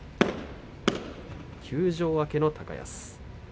休場明けの高安です。